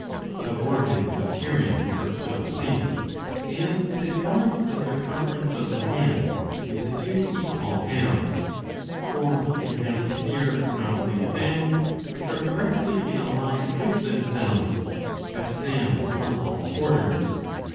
The organs of hearing are so placed as to divide the circumference of the head into two equal halves ; for they have to hear not only sounds which are directly in a line with themselves, but sounds from all quarters.